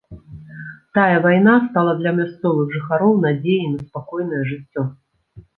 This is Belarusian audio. Тая вайна стала для мясцовых жыхароў надзеяй на спакойнае жыццё.